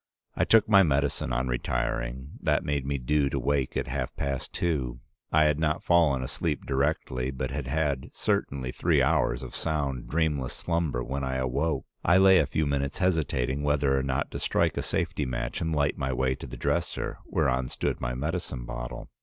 I took my medicine on retiring; that made me due to wake at half past two. I had not fallen asleep directly, but had had certainly three hours of sound, dreamless slumber when I awoke. I lay a few minutes hesitating whether or not to strike a safety match and light my way to the dresser, whereon stood my medicine bottle.